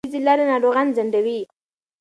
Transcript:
دودیزې لارې ناروغان ځنډوي.